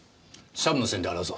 シャブの線で洗うぞ。